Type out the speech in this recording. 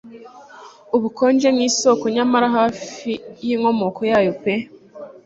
Ubukonje nkisoko nyamara hafi yinkomoko yayo pe